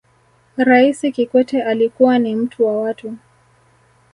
raisi kikwete alikuwa ni mtu wa watu